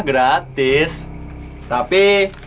ini mah gratis tapi